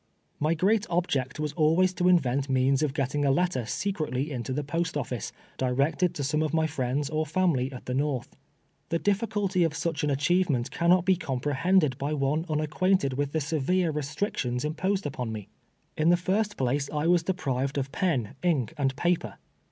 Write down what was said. My great object always was to invent means of get ting a letter secretly into the post office, directed to some of my friends or family at the Xorth. The diffi culty of such an achievement cannot be comprehend ed by one unacquainted with the severe restrictions imposed upon me. In the first place, I was deprived of pen, ink, and paper.